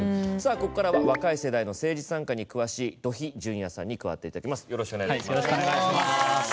ここからは、若い世代の政治参加に詳しい土肥潤也さんによろしくお願いします。